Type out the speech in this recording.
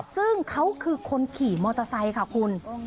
ซึ่งเขาคือคนขี่มอเตอร์ไซค์ค่ะคุณ